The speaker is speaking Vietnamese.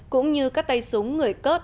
cũng như các tay súng người cốt